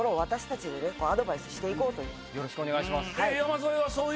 よろしくお願いします。